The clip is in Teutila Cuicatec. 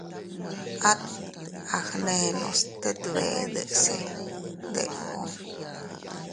At agnenos tet bee deʼese ndeʼo.